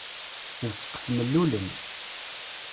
D ssqef mellulen.